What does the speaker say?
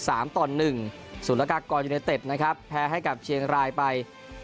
สลากากรยุนิเต็ปนะครับแพ้ให้กับเชียงรายไป๑๔